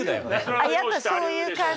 あっやっぱそういう感じ？